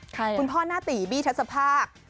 คุณพ่อหน้าตีบี้ทัศภาค